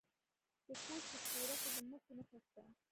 د خوست په سپیره کې د مسو نښې شته.